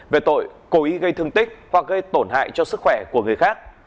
về tội cố ý gây thương tích hoặc gây tổn hại cho sức khỏe của người khác